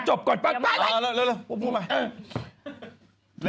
จบก่อนป้ายเร็วพูดใหม่